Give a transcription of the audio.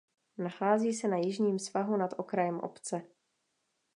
Nachází se na jižním svahu nad okrajem obce.